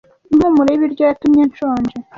Impumuro y'ibiryo yatumye nshonje.